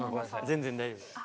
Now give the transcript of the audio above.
全然大丈夫です